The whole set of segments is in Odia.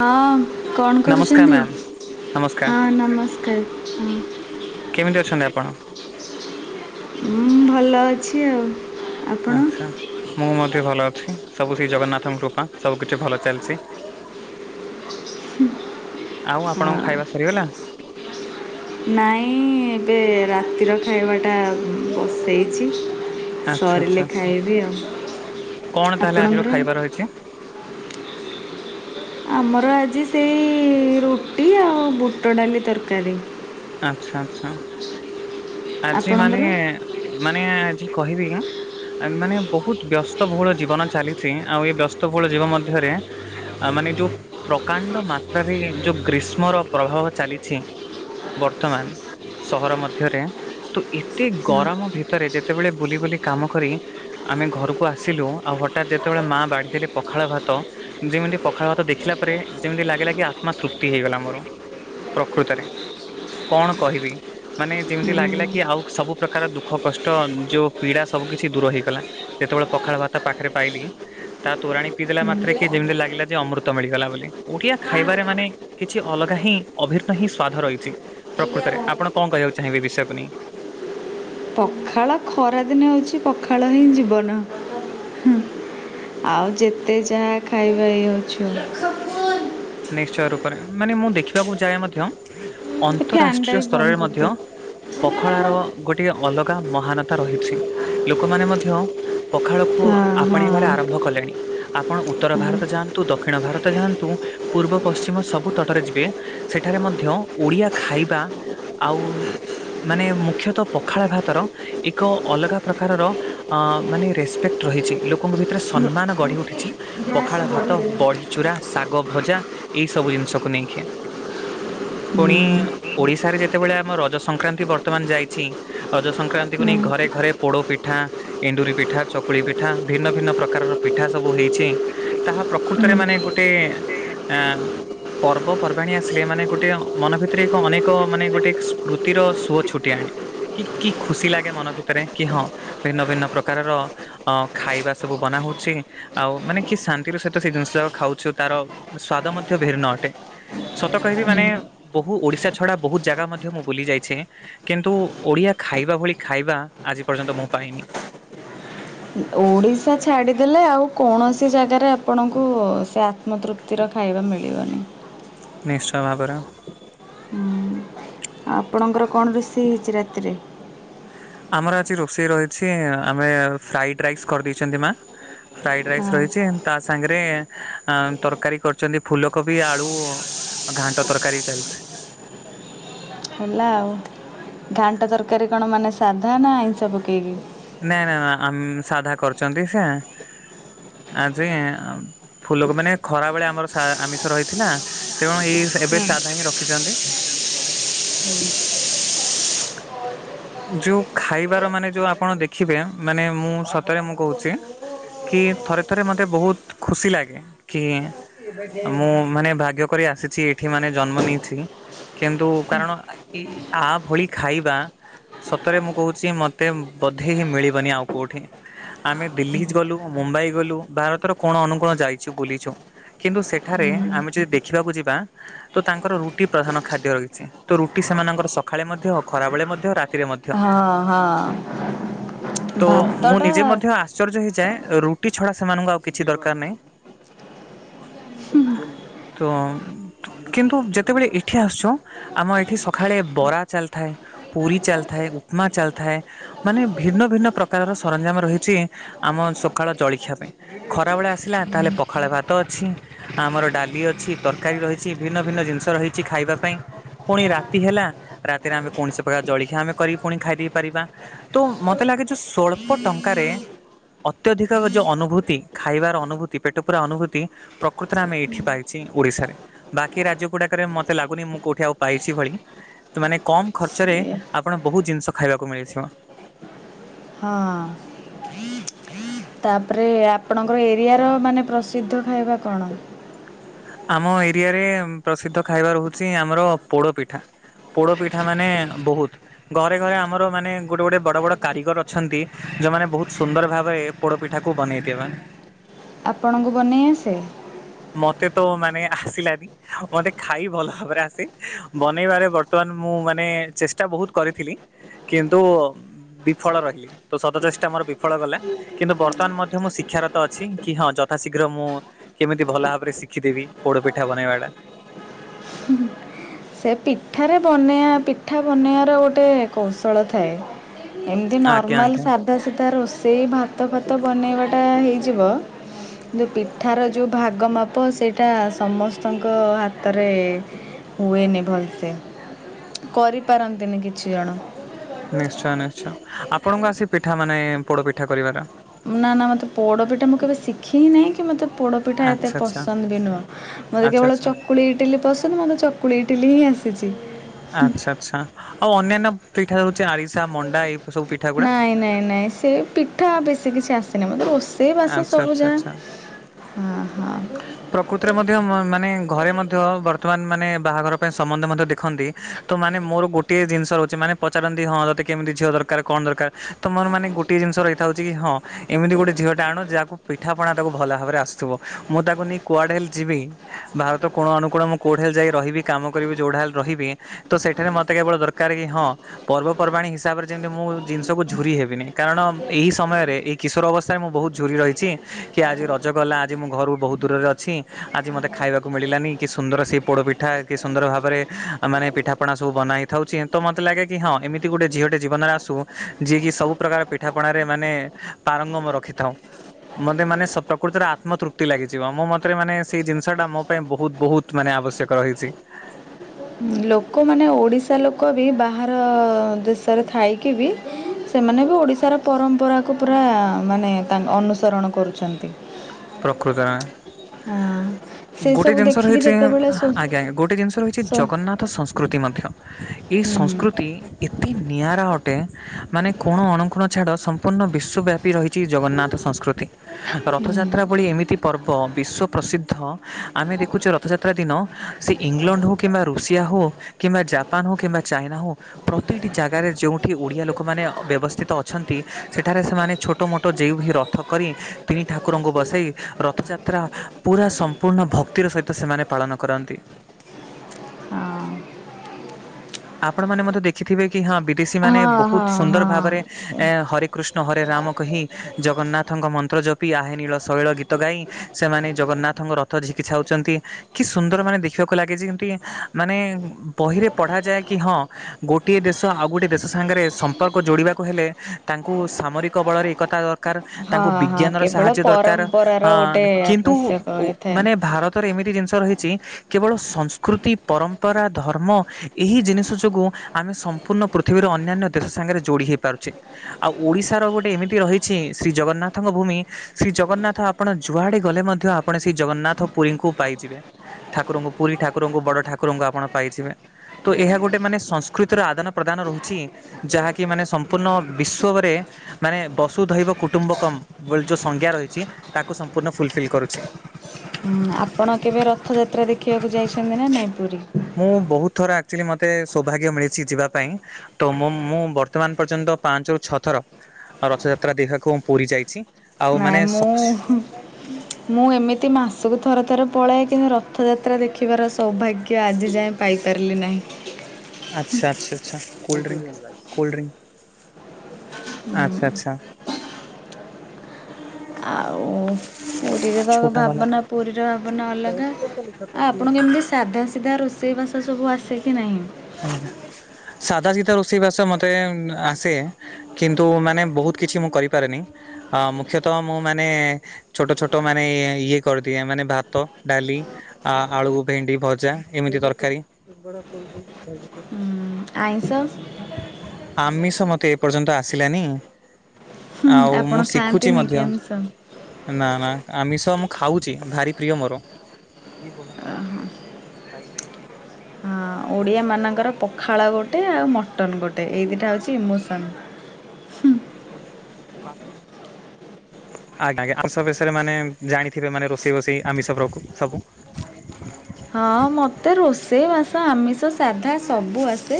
ହଁ କଣ ନମସ୍କାର କରୁଛନ୍ତି ମ୍ୟାମ୍ ନମସ୍କାର ହଁ ନମସ୍କାର ହୁଁ। କେମିତି ଅଛନ୍ତି ଆପଣ। ହୁଁ ଭଲ ଅଛି ଆଉ। ଆପଣ? ଆଚ୍ଛା ମୁଁ ମଧ୍ୟ ଭଲ ଅଛି ସବୁ ସେଇ ଜଗନ୍ନାଥଙ୍କ କୃପା ସବୁ କିଛି ଭଲ ଚାଲିଛି। ଆଉ ଆପଣଙ୍କ ହଁ ଖାଇବା ସାରିଗଲା। ନାଇଁ ଏବେ ରାତିର ଖାଇବାଟା ବସେଇଚି ଆଚ୍ଛା ଆଚ୍ଛା ସରିଲେ ଆଚ୍ଛା। ଖାଇବି ଆଉ। କଣ ତାହେଲେ ଆଜିର ଆପଣଙ୍କର? ଖାଇବା ରହିଛି। ଆମର ଆଜି ସେଇ ରୁଟି ଆଉ ବୁଟ ଡାଲି ତରକାରୀ। ଆଚ୍ଛା ଆଚ୍ଛା। ଆଜି ମାନେ ଆପଣଙ୍କର? ମାନେ ଆଜି କହିବି ଏ ମାନେ ବୋହୁତ ବ୍ୟସ୍ତ ଭୋହୁଳ ଜୀବନ ଚାଲିଛି ଆଉ ଏ ବ୍ୟସ୍ତ ଭୋହୁଳ ଜୀବ ମଧ୍ୟରେ ଆ ମାନେ ଯୋଉ ପ୍ରକାଣ୍ଡ ମାତ୍ରାରେ ଯୋଉ ଗ୍ରୀଷ୍ମର ପ୍ରଭାବ ଚାଲିଛି। ବର୍ତ୍ତମାନ ସହର ମଧ୍ୟରେ ତ ଏତେ ଗରମ ଭିତରେ ଯେତେବେଳେ ବୁଲି ବୁଲି କାମ କରି ଆମେ ଘରୁକୁ ଆସିଲୁ ଆଉ ହଠାତ୍ ଯେତେବେଳେ ମା ବଢ଼ିଦେଲେ ପଖାଳ ଭାତ। ଯେମିତି ପଖାଳ ଭାତ ଦେଖିଲା ପରେ ଯେମିତି ଲାଗିଲା କି ଆତ୍ମା ତୃପ୍ତି ହେଇଗଲା ମୋରୋ। ପ୍ରକୃତରେ କଣ କହିବି ମାନେ ଯେମିତି ଲା ହୁଁ ଗିଲା ହୁଁ। କି ଆଉ ସବୁ ପ୍ରକାର ଦୁଃଖ କଷ୍ଟ ଯୋଉ ପୀଡା ସବୁ କିଛି ଦୂର ହେଇଗଲା। ଯେତୋବୋଳେ ପଖାଳ ଭାତ ପାଖେରେ ପାଇଲି। ତା ତୋରାଣୀ ପିଇଦେଲା ମାତ୍ରେ କେ ଯେମିତି ଲାଗିଲା ଯେ ଅମୃତ ମିଳିଗଲା ବୋଲି ଓଡିଆ ଖାଇବାରେ ମାନେ କିଛି ଅଲଗା ହିଁ ଅଭିର୍ନ ହିଁ ସ୍ଵାଧ ରହିଛି ପ୍ରକୃତରେ ଆପଣ କଁ କହିବାକୁ ଚାହିଁବେ ଏଇ ବିଷୟକୁ ନେଇ। ପଖାଳ ଖରା ଦିନେ ହୋଉଚି ପଖାଳ ହିଁ ଜୀବନ। ଆଉ ଯେତେ ଯାହା ଖାଇବା ଇଏ ହୋଉଛି ହୋଉ। ନିଶ୍ଚୟ ରୁପରେ ମାନେ ମୁଁ ଦେଖିବାକୁ ଯାଏ ମଧ୍ୟ ଏ ଫ୍ୟାନ୍ ଟା ଅନ୍ତରାଷ୍ଟ୍ରୀୟ ବି ସ୍ତରରେ ବନ୍ଦ ମଧ୍ୟ କରିଦେ। ପଖଳାର ଗୋଟିଏ ଅଲଗା ମହାନତା ରହିଛି ଲୋକୋମାନେ ମଧ୍ୟ ପଖାଳକୁ ହଁ ହଁ ଆପଣେଇବାରେ ଆରମ୍ଭ କଲେଣି ଆପଣ ଉତ୍ତର ହଁ। ଭାରତ ଯାଆନ୍ତୁ ଦକ୍ଷିଣ ଭାରତ ଯାଆନ୍ତୁ। ପୂର୍ବ ପଶ୍ଚିମ ସବୁ ତଟରେ ଯିବେ ସେଠାରେ ମଧ୍ୟ ଓଡ଼ିଆ ଖାଇବା ଆଉ ମାନେ ମୁଖ୍ୟତଃ ପଖାଳ ଭାତର ଏକ ଅଲଗା ପ୍ରକାରର ଅଁ ମାନେ ରେସ୍ପେକ୍ଟ ରହିଛି ଲୋକୋଙ୍କ ଭିତରେ ସମ୍ମାନ ହୁଁ ଗଢ଼ିଉଠିଛି। ପଖାଳ ଭାତ ବଢି ଚୁରା ଶାଗ ଭଜା ଏଇ ସବୁ ଜିନିଷକୁ ନେଇକି। ପୁଣି ଓଡ଼ିଶାରେ ଯେତେବୋଳେ ଆମ ରଜ ସଂକ୍ରାନ୍ତି ବର୍ତ୍ତମାନ ଯାଇଛି। ରଜ ସଂକ୍ରାନ୍ତିକୁ ନେଇ ଘରେ ଘରେ ପୋଡୋ ପିଠା। ଏଣ୍ଡୁରି ପିଠା ଚକୁଳି ପିଠା ଭିନ୍ନ ଭିନ୍ନ ପ୍ରକାରର ପିଠା ସବୁ ହେଇଛି। ତାହା ପ୍ରକୃତରେ ହୁଁ। ମାନେ ଗୋଟେ ଆଁ ପର୍ବପର୍ବାଣୀ ଆସିଲେ ମାନେ ଗୋଟେ ମନ ଭିତରେ ଏକ ଅନେକ ମାନେ ଗୋଟେ ସ୍ମୃତିର ସୁଅ ଛୁଟି ଆଣେ। [unintelligible] କି ଖୁସି ଲାଗେ ମନ ଭିତରେ କି ହଁ ଭିନ୍ନ ଭିନ୍ନ ପ୍ରକାରର ଅ ଖାଇବା ସବୁ ବନା ହୋଉଛି ଆଉ ମାନେ କି ଶାନ୍ତିର ସହିତ ସେଇ ଜିନିଷ ଖାଉଛୁ ତାର ସ୍ଵାଦ ମଧ୍ୟ ଭିର୍ନ ଅଟେ। ସତ କହିବି ମାନେ ବୋହୁ ଓଡ଼ିଶା ଛଡା ବୋହୁତ ଜାଗା ମଧ୍ୟ ମୁଁ ବୁଲି ଯାଇଛି। କିନ୍ତୁ ଓଡିଆ ଖାଇବା ଭଳି ଖାଇବା ଆଜି ପର୍ଯ୍ୟନ୍ତ ମୁଁ ପାଇନି। ଓଡ଼ିଶା ଛାଡ଼ିଦେଲେ ଆଉ କୌଣସି ଜାଗାରେ ଆପଣଙ୍କୁ ସେ ଆତ୍ମତୃ ପ୍ତିର ଖାଇବା ମିଳିବନି। ନିଶ ଭାବର ହୁଁ। ଆପଣଙ୍କର କଣ ରୋଷେଇ ହେଇଛି ରାତିରେ? ଆମର ଆଜି ରୋଷେଇ ରହିଛି ଆମେ ଫ୍ରାଇଡ଼୍ ରାଇସ୍ କରିଦେଇଛନ୍ତି ମା ଫ୍ରାଏଡ଼ ରାଇସ୍ ହଁ ରହିଛି ତା ସାଙ୍ଗରେ ତରକାରୀ କରିଛନ୍ତି ଫୁଲକୋବି ଆଳୁ ଘାଣ୍ଟ ତରକାରୀ ବି ଚାଲିଛି ହେଲା ଆଉ ଘାଣ୍ଟ ତରକାରୀ କଣ ମାନେ ସାଧା ନା ଆଇଁଷ ପକେଇକି? ନା ନା ଆମ ସାଧା କରିଛନ୍ତି ଯେ ଆଜି ଫୁଲ ମାନେ ଖରା ବଳେ ଆମର ଆମିଷ ରହିଥିଲା ତେଣୁ ଏଇ ଏବେ ହଁ। ସାଧା ହିଁ ରଖିଛନ୍ତି ହଁ ଯୋଉ ଖାଇବାର ମାନେ ଯୋଉ ଆପଣ ଦେଖିବେ ମାନେ ମୁଁ ସତରେ ମୁଁ କହୁଛି କି ଥରେ ଥରେ ମୋତେ ବହୁତ ଖୁସି ଲାଗେ କି ମୁଁ ମାନେ ଭାଗ୍ୟ କରି ଆସିଛି ଏଠି ମାନେ ଜନ୍ମ ନେଇଛି କିନ୍ତୁ କାରଣ ଏଇ ଆ ଭଳି ଖାଇବା ସତରେ ମୁଁ କହୁଛି ମୋତେ ବୋଧେ ଇ ହି ମିଳିବନି ଆଉ କୋଉଠି ଆମେ ଦିଲ୍ଲୀ ଗଲୁ ମୁମ୍ବାଇ ଗଲୁ ଭାରତର କଣ ଅନୁକୋଣ ଯାଇଛୁ ବୁଲିଛୁ କିନ୍ତୁ ସେଠାରେ ଆମେ ଯଦି ଦେଖିବାକୁ ଯିବା ତ ତାଙ୍କର ରୁଟି ପ୍ରଧାନ ଖାଦ୍ୟ ରହିଛି ତ ରୁଟି ସେମାନଙ୍କର ସକାଳେ ମଧ୍ୟ ଖରାବେେଳେ ମଧ୍ୟ ରା ଥିରେ ମଧ୍ୟ ହଁ ହଁ ତ ଭାତ ମୁଁ ଟା ନିଜେ ମଧ୍ୟ ଆଶ୍ଚର୍ଯ୍ୟ ହେଇଯାଏ ରୁଟି ଛଡା ସେମାନଙ୍କୁ ଆଉ କିଛି ଦରକାର ନାହିଁ ହୁଁ ତ କିନ୍ତୁ ଯେତେବେଳେ ଏଠି ଆସୁଛୁ ଆମ ଏଇଠି ସକାଳେ ବରା ଚାଲିଥାଏ ପୁରୀ ଚାଲଥାଏ ଉପମା ଚାଲଥାଏ ମାନେ ଭିନ୍ନ ଭିନ୍ନ ପ୍ରକାରର ସରଞ୍ଜାମ ରହିଛି ଆମ ସକାଳ ଜଳଖିଆ ପାଇଁ ଖରାବେଳେ ଆସିଲା ତାହେଲେ ପଖାଳ ଭାତ ଅଛି ଆମର ଡାଲି ଅଛି ତରକାରୀ ରହିଛି ଭିନ୍ନ ଭିନ୍ନ ଜିନିଷ ରହିଛି ଖାଇବା ପାଇଁ ପୁଣି ରାତି ହେଲା ରାତିରେ ଆମେ କୌଣସି ପ୍ରକାର ଜଳଖିଆ ଆମେ କରିିକି ପୁଣି ଖାଇ ଦେଇ ପାରିବା ତ ମୋତେ ଲାଗେ ଯ ସ୍ୱଳ୍ପ ଟଙ୍କାରେ ଅତ୍ୟଧିକ ଯୋଉ ଅନୁଭୂତି ଖାଇବାର ଅନୁଭୂତି ପେଟ ପୂରା ଅନୁଭୂତି ପ୍ରକୃତରେ ଆମେ ଏଇଠି ପାଇଛି ଓଡିଶାରେ ବାକି ରାଜ୍ୟ ଗୁଡାକରେ ମୋତେ ଲାଗୁନି ମୁଁ କୋଉଠି ଆଉ ପାଇଛି ଭଳି ମାନେ କମ ଖର୍ଚ୍ଚରେ ସେ ଆପଣ ବହୁତ ଜିନିଷ ଖାଇବାକୁ ମିଳିଥିବ ହଁ ତାପରେ ଆପଣଙ୍କର ଏରିଆ ର ମାନେ ପ୍ରସିଦ୍ଧ ଖାଇବା କଣ? ଆମ ଏରିଆରେ ପ୍ରସିଦ୍ଧ ଖାଇବାର ହେଉଛି ଆମର ପୋଡ଼ପିଠା ପୋଡ଼ପିଠା ମାନେ ବହୁତ ଘରେ ଘରେ ଆମର ମାନେ ଗୋଟେ ଗୋଟେ ବଡ଼ ବଡ଼ କାରିଗର ଅଛନ୍ତି ଯେଉଁମାନେ ବହୁତ ସୁନ୍ଦର ଭାବରେ ପୋଡ଼ ପିଠା କୁ ବନେଇଦବା ଆପଣଙ୍କୁ ବନେଇ ଆସେ ମୋତେ ତ ମାନେ ଆସିଲାନି ମୋତେ ଖାଇ ଭଲ ଭାବରେ ଆସେ ବନେଇବାରେ ବର୍ତ୍ତମାନ ମୁଁ ମାନେ ଚେଷ୍ଟା ବହୁତ କରିଥିଲି କିନ୍ତୁ ବିଫଳ ରହିଲି ତ ସତଚେଷ୍ଟା ମୋର ବିଫଳ ଗଲା କିନ୍ତୁ ବର୍ତ୍ତମାନ ମଧ୍ୟ ମୁଁ ଶିକ୍ଷାରତ ଅଛି କି ହଁ ଯଥାଶୀଘ୍ର ମୁଁ କେମିତି ଭଲ ଭାବରେ ଶିଖିଦେବି ପୋଡପିଠା ବନେଇବାଟା ହୁଁ ସେ ପିଠାରେ ବନେଇବା ପିଠା ବନେଇବାର ଗୋଟେ କୌଶଳ ଥାଏ ଏମିତି ଆଜ୍ଞା ନର୍ମାଲ ଆଜ୍ଞା ସ ସିଧା ସିଧା ରୋଷେଇ ଭାତ ଫାତ ବନେଇବା ଟା ହେଇଯିବ କିନ୍ତୁ ପିଠାର ଯୋଉ ଭାଗ ମାପ ସେଇଟା ସମସ୍ତଙ୍କ ହାତରେ ହୁଏନି ଭଲସେ କରିପାରନ୍ତିନି କିଛି ଜଣ ନିଶ୍ଚୟ ନିଶ୍ଚୟ ଆପଣଙ୍କୁ ଆସି ପିଠା ମାନେ ପୋଡ଼ପିଠା କରିବାର ନା ନା ମତେ ପୋଡପିଠା ମୁଁ କେବେ ଶିଖି ନାହିଁ କି ମତେ ପୋଡ଼ପି ପିଠା ଏତେ ଆଚ୍ଛା ଆଚ୍ଛା ପସନ୍ଦ ବି ନୁହଁ ଆଚ୍ଛା ମୋତେ କେବଳ ଆଚ୍ଛା ଚକୁଳି ଚକୁଳି ଇଟିଲି ପସନ୍ଦ ମୋତେ ଚକୁଳି ଇଟିଲି ହିଁ ଆସିଛି। ଆଚ୍ଛା ଚ୍ଛା ଆଉ ଅନ୍ୟାନ୍ୟ ପିଠା ହେଉଛି ଆରିସା ମଣ୍ଡା ଏ ନାଇଁ ନାଇଁ ନାଇଁ ସେ ପିଠା ବେଶୀ କିଛି ଆସିନି ମତେ ରୋଷେଇ ବାସ ଆଚ୍ଛା ସବୁ ଆଚ୍ଛା ଯାହା ଆଚ୍ଛା ହଁ ହଁ ପ୍ରକୃତିରେ ମଧ୍ୟ ମାନେ ଘରେ ମଧ୍ୟ ବର୍ତ୍ତମାନ ମାନେ ବାହାଘର ପାଇଁ ସମନ୍ଧ୍ ମଧ୍ୟ ଦେଖନ୍ତି। ତ ମାନେ ମୋର ଗୋଟିଏ ଜିନିଷ ରହୁଛି ମାନେ ପଚାରନ୍ତି ହଁ ତତେ କେମିତି ଝିଅ ଦରକାର କଣ ଦରକାର୍ ତମର ମାନେ ଗୋଟେ ଜିନିଷ ରହିଥାଉଛି କି ହଁ। ଏମିତି ଗୋଟେ ଝିଅ ଟା ଆଣୁ ଯାହାକୁ ପିଠାପଣା ତାକୁ ଭଲ ଭାବରେ ଆସଥିବ ମୁଁ ତାକୁ ନେଇ କୁଆଡ଼େ ହେଲେ ଯିବି। ଭାରତ କୋଣ ଅନୁକୋଣ ମୁଁ କୋଉଠା ହେଲେ ଯାଇକ ରହିବି କାମ କରିବି ଯୋଉଟା ହେଲେ ରହିବି। ତ ସେଠାରେ ମତେ କେବଳ ଦରକାର କି ହଁ। ପର୍ବପର୍ବାଣିୀ ହିସାବରେ ଯେମତି ମୁଁ ଜିନିଷକୁ ଝୁରି ହେବିନି କାରଣ ଏହି ସମୟରେ ଏଇ କିଶୋର ଅବସ୍ଥାରେ ମୁଁ ବହୁତ ଝୁରି ରହିଛି କି ଆଜି ରଜ ଗଲା ଆଜି ମୁଁ ଘରୁ ବହୁତ ଦୂରରେ ଅଛି ଆଜି ମୋତେ ଖାଇବାକୁ ମିଳିଲାନି କି ସୁନ୍ଦର ସେ ପୋଡ଼ ପିଠା କି ସୁନ୍ଦର ଭାବରେ ମାନେ ପିଠା ଆପଣ ସବ ବନେଇ ଥାଉଛି ତ ମତେ ଲାଗେ କି ହଁ ଏମିତି ଗୋଟେ ଝିଅଟେ ଜୀବନରେ ଆସୁ ଯିଏ କି ସବୁ ପ୍ରକାର ପିଠାପଣାାରେ ମାନେ ପାରଙ୍ଗମ ରଖିଥାଉ ମତେ ମାନେ ପ୍ରକୃତରେ ସତ ମାନେ ଆତ୍ମତୃପ୍ତି ଲାଗିଯିବ ମୋ ମତରେ ମାନେ ସେଇ ଜିନିଷ ଟା ମୋ ପାଇଁ ବହୁତ୍ ବହୁତ୍ ମାନେ ଆବଶ୍ୟକ ରହିଛି। ଲୋକମାନେ ଓଡ଼ିଶା ଲୋକ ବି ବାହାର ଦେଶରେ ଥାଇକି ବି ସେମାନେ ବି ଓଡିଶାର ପରମ୍ପରାକୁ ପୁରା ମାନେ ତାଙ୍କ ଅନୁସରଣ କରୁଛନ୍ତି। ପ୍ରକୃତରେ ହଁ ଗୋଟେ ସେସବୁ ଜିନିଷ ଦେଖିକି ରହିଛି ଯେତେବେଳେ ସୋ ଆଜ୍ଞା ଆଜ୍ଞା ଗୋଟେ ଜିନିଷ ରହିଛି ସୋ ଜଗନ୍ନାଥ ସଂସ୍କୃତି ମଧ୍ୟ। ଏଇ ହୁଁ ସଂସ୍କୃତି। ଏତେ ନିଆଁରା ଅଟେ ମାନେ କୋଣ ଅନୁକୋଣ ଛାଡ଼ ସମ୍ପୂର୍ଣ୍ଣ ବିଶ୍ୱବ୍ୟାପୀ ରହିଛି ଜଗନ୍ନାଥ ସଂସ୍କୃତି ହୁଁ ରଥଯାତ୍ ରାତ୍ରା ଭଳି ଏମିତି ପର୍ବ ବିଶ୍ଵ ପ୍ରସିଦ୍ଧ ଆମେ ଦେଖୁଛୁ ରଥଯାତ୍ରା ଦିନ ସେ ଇଂଲଣ୍ଡ ହଉ କିମ୍ବା ରୁଷିଆ ହଉ କିମ୍ବା ଜାପାନ ହଉ କିବା ଚାଇନା ହଉ ପ୍ରତିଟି ଜାଗାରେ ଯେଉଁଠି ଓଡ଼ିଆ ଲୋକମାନେ ବ୍ୟବସ୍ଥିତ ଅଛନ୍ତି ସେଠାରେ ସେମାନେ ଛୋଟ ମୋଟ ଯେଉଁ ବି ର ଥକରି ତିନି ଠାକୁରଙ୍କୁ ବସେ ସେଇ ରଥଯାତ୍ରା ପୁରା ସମ୍ପୂର୍ଣ୍ଣ ଭକ୍ତିର ସହିତ ସେମାନେ ପାଳନ କରନ୍ତି। ହଁ ଆପଣ ମାନେ ମଧ୍ୟ ଦେଖିଥିବେ କି ହଁ ବିଦେଶୀ ମାନେ ହଁ ବହୁତ ହଁ ସୁନ୍ଦର ହଁ ଭାବରେ ସେ ଏ ହରେ କୃଷ୍ଣ ହରେ ରାମ କହି ଜଗନ୍ନାଥଙ୍କ ମନ୍ତ୍ର ଜପି ଆହେ ନୀଳ ଶୈଳ ଗୀତ ଗାଇ ସେମାନେ ଜଗନ୍ନାଥଙ୍କ ରଥ ଝିକି ଯାଉଉଛନ୍ତି କି ସୁନ୍ଦର ମାନେ ଦେଖିବାକୁ ଲାଗେ ଯେ ଯେମତି ମାନେ ବହିରେ ପଢ଼ାଯାଏ କି ହଁ ଗୋଟିଏ ଦେଶ ଆଉ ଗୋଟିଏ ଦେଶ ସାଙ୍ଗରେ ସମ୍ପର୍କ ଯୋଡ଼ିବାକୁ ହେଲେ ତାଙ୍କୁ ସାମରିକ ବଳରେ ଏକତା ହଁ ତାଙ୍କୁ ହଁ ବିଜ୍ଞାନର କେବଳ ସାହାଯ୍ୟ ଦରକାର ହଁ ପରମ୍ପରାର ଗୋଟେ କିନ୍ତୁ ଆବଶ୍ୟକ ହୋଇଥାଏ ମାନେ ଭାରତ ର ଏମିତି ଜିନିଷ ରହିଛି କେବଳ ସଂସ୍କୃତି ପରମ୍ପରା ଧର୍ମ ଏହି ଜିନିଷ ଯୋଗୁ ଆମେ ସମ୍ପୂର୍ଣ୍ଣ ପୃଥିବୀର ଅନ୍ୟାନ୍ୟ ଦେଶ ସାଙ୍ଗରେ ଯୋଡି ହେଇ ପାରୁଛେ। ଆଉ ଓଡିଶାର ଗୋଟେ ଏମିତି ରହିଛି ଶ୍ରୀ ଜଗନ୍ନାଥଙ୍କ ଭୂମି। ଶ୍ରୀ ଜଗନ୍ନାଥ ଆପଣ ଯୁଆଡେ ଗଲେ ମଧ୍ୟ ଆପଣ ସେ ଜଗନ୍ନାଥ ପୁରୀଙ୍କୁ ପାଇଯିବେ। ଠାକୁରଙ୍କୁ ପୁରୀ ଠାକୁରଙ୍କୁ ବଡ ଠାକୁରଙ୍କୁ ଆପଣ ପାଇଯିବେ। ତ ଏହା ଗୋଟେ ଗୋଟେ ମାନେ ସଂସ୍କୃତିର ଆଦାନ ପ୍ରଦାନ ରହୁଛି ଯାହାକି ମାନେ ସମ୍ପୂର୍ଣ୍ଣ ବିଶ୍ଵରେ ମାନେ ବସୁ ଧୈବ କୁଟୁମ୍ବକମ ଯୋଉ ସଂଜ୍ଞା ରହିଛି ତାକୁ ସମ୍ପୂର୍ଣ୍ଣ ଫୁଲଫିଲ୍ କରୁଛି। ହୁଁ ଆପଣ କେବେ ରଥଯାତ୍ରା ଦେଖିବାକୁ ଯାଇଛନ୍ତି ନା ନାଇଁ ପୁରୀ? ମୁଁ ବହୁତ ଥର ଆକଚୁଆଲି ମ ମତେ ସୌଭାଗ୍ୟ ମିଳିଛି ଯିବା ପାଇଁ ତ ମୁଁ ବର୍ତ୍ତମାନ ପର୍ଯ୍ୟନ୍ତ ପାଞ୍ଚ ରୁ ଛଅ ଥର ରଥଯାତ୍ରା ଦେଖିବାକୁ ମୁଁ ପୁରୀ ଯାଇଛି ଆଉ ନାଇଁ ମାନେ ସ ମୁଁ ମୁଁ ଏମିତି ମାସକୁ ଥରେ ଥରେ ପଳାଏ କିନ୍ତୁ ରଥଯାତ୍ରା ଦେଖିବାର ସୌଭାଗ୍ୟ ଆଜି ଯାଏଁ ପାଇସାରିଲି ନାହିଁ। ଆଛା -ଆଛା -ଆଛା କୋଲ୍ଡରିଙ୍କ-କୋଲ୍ଡରୀଙ୍କ୍ ଆଛା -ଆଛା। ଆଉ [unintelligible] ପୁରୀରେ ତ ଛୋଟା ବାଲା ଭାବନା ପୁରୀର ଭାବନା ଅଲଗା, ଆଉ ଆପଣଙ୍କୁ ଏମିତି ସାଧା ସିଧା ରୋଷେଇ [unintelligible] କି ନାହିଁ? ସାଧା ସିଧା ରୋଷେଇ ବାସ ମତେ ଆସେ। କିନ୍ତୁ ମାନେ ବହୁତ କିଛି ମୁଁ କରିପାରେନି ମୁଖ୍ୟତଃ ମୁଁ ମାନେ ଛୋଟ ଛୋଟ ମାନେ ଇଏ କରିଦିଏ ମାନେ ଭାତ, ଡାଲି ଆ ଆଳୁ ଭେଣ୍ଡି ଭଜା, ଏମିତି ତରକାରୀ। ଆଇଁସ। ଆମିଷ ମତେ ଏ ପର୍ଯ୍ୟନ୍ତ ଆସିଲାନି। ହୁଁ ଆଉ ଆପଣ ମୁଁ ଶିଖୁଛି ଖାଆନ୍ତିନି କି ମଧ୍ୟ। ଆମିଷ? ନା ନା ଆମିଷ ମୁଁ ଖାଉଛି ଭାରି ପ୍ରିୟ ମୋର। [unintelligible] ହଁ ଓଡ଼ିଆମାନଙ୍କର ପଖାଳ ଗୋଟେ ଆଉ ମଟନ୍ ଗୋଟେ, ଏଇ ଦୁଇଟା ହେଉଛି ଇମୋସନ୍। [inaudible] ଆଜ୍ଞା ଆମିଷ ବିଷୟରେ ମାନେ ଜାଣିଥିବେ ମାନେ ରୋଷେଇ ବୋଷେଇ ଆମିଷ ପ୍ରକୁ ସବୁ। ହଁ ମତେ ରୋଷେଇ ବାସ ଆମିଷ ସାଧା ସବୁ ଆସେ,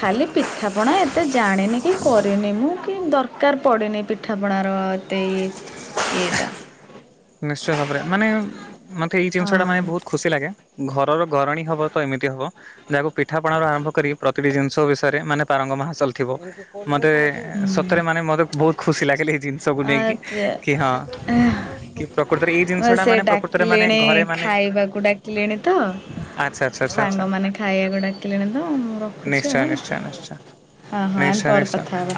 ଖାଲି ପିଠାପଣା ଏତେ ଏତେ ଜାଣିନି କି କରିନି ମୁଁ କି ଦରକାର ପଡ଼ିନି ପିଠାପଣାର ଏତେ ଇଏ। ଏଇଟା ନିଶ୍ଚୟ ଭାବରେ ମାନେ ମତେ ଏଇ ଜିନିଷ ଟା ହଁ ମାନେ ବହୁତ ଖୁସି ଲାଗେ ଘରର ଗରଣୀ ହବ ତ ଏମିତି ହବ। ଯାହାକୁ ପିଠାପଣ ର ଆରମ୍ଭ କରି ପ୍ରତିଟି ଜିନିଷ ବିଷୟରେ ମାନେ ପାରଙ୍ଗମ ହାସଲ ଥିବ। ମତେ ହୁଁ ସତରେ ମାନେ ମତେ ବହୁତ ଖୁସି ଲାଗିଲେ ଏଇ ଜିନିଷକୁ ନେଇକି, କି ହଁ। ଆଚ୍ଛା କି ପ୍ରକୃତରେ ଏଇ ଜିନିଷ ଟା ସେ ମାନେ ପ୍ରକୃତରେ ମାନେ ଡାକିଲେଣି ଘରେ ମାନେ ଖାଇବାକୁ ଡାକିଲେଣି ତ ଆଛା -ଆଛା -ଆଛା-ଆଛା ସାଙ୍ଗମାନେ ଖାଇବାକୁ ଡାକିଲେଣି ତ ମୁଁ ରଖୁଛି ଆଉ ହେଲା ନିଶ୍ଚୟ-ନିଶ୍ଚୟ-ନିଶ୍ଚୟ। ହଁ ହଁ ଆମେ ପରେ ନିଶ୍ଚୟ-ନିଶ୍ଚୟ କଥା ହେବା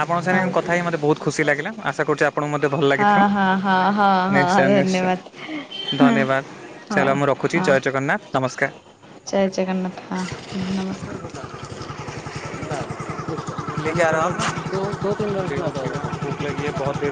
ଆପଣଙ୍କ ହଁ ସାଙ୍ଗେ କଥା ହେଇକି ମତେ ବହୁତ ଖୁସି ଲାଗିଲା ଆଶା କରୁଛି ଆପଣଙ୍କୁ ମଧ୍ୟ ଭଲ ଲାଗିଥିବ? ହଁ-ହଁ-ହଁ। ନିଶ୍ଚୟ-ନିଶ୍ଚୟ ଧନ୍ୟବାଦ ହଉ ଚାଲ ମୁଁ ରଖୁଛି ହଁ ଜୟ ଜଗନ୍ନାଥ, ନମସ୍କାର। ଜୟ ଜଗନ୍ନାଥ ହଁ ନମସ୍କାର। [unintelligible] [unintelligible]